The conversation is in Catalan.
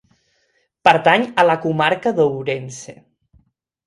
Pertany a la Comarca d'Ourense.